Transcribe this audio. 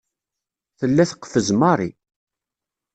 Tella teqfez Mary.